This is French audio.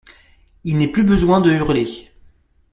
Il n’est plus besoin de hurler.